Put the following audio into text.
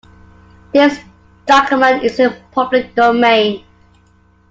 This document is in the public domain.